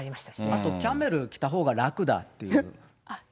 あとキャメル着たほうがらくだっていう。